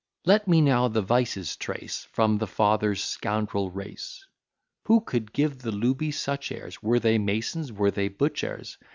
Let me now the vices trace, From the father's scoundrel race. Who could give the looby such airs? Were they masons, were they butchers?